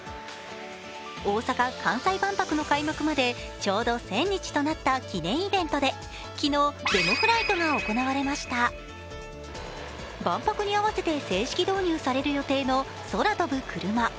大阪・関西万博の開幕までちょうど１０００日となった記念イベントで昨日、デモフライトが行われました万博に合わせて正式導入される予定の空飛ぶクルマ